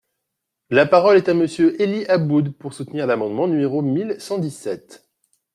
La parole est à Monsieur Élie Aboud, pour soutenir l’amendement numéro mille cent dix-sept.